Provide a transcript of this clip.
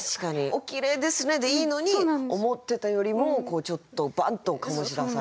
「お綺麗ですね」でいいのに「思ってたよりも」をちょっとバンッと醸し出される。